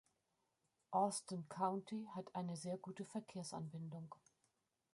Austin County hat eine sehr gute Verkehrsanbindung.